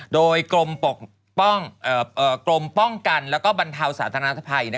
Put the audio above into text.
โดยกรมป้องกันแล้วก็บรรเทาสาธารณภัย